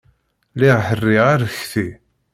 Lliɣ ḥerriɣ arekti.